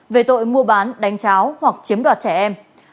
về tội mua bán đánh cháo hoặc chiếm đoạt trẻ em